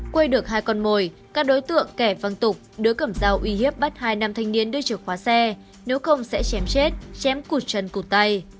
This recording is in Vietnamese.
quây được hai con mồi các đối tượng kẻ văng tục đứa cầm dao uy hiếp bắt hai nam thanh niên đưa chìa khóa xe nếu không sẽ chém chết chém cụt chân cụt tay